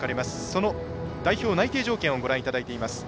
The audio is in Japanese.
その代表内定条件をご覧いただいています。